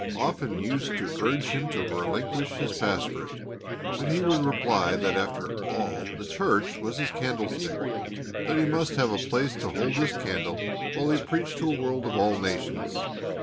I often used to urge him to relinquish his pastorate; but he would reply that after all the Church was his candlestick; that he must have a place to hold his candle while he preached to a world of all nations.